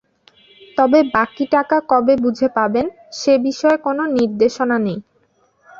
তবে বাকি টাকা কবে বুঝে পাবেন, সে বিষয়ে কোনো নির্দেশনা নেই।